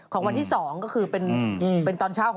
ของวันที่สองมีต้อนเช้า